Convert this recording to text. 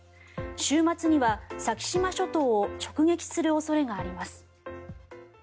週末には先島諸島を直撃する恐れがあります。